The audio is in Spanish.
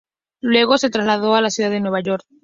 Luego se trasladó a la ciudad de Nueva York.